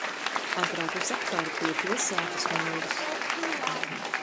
Agrāk visapkārt bija pilsētas mūris.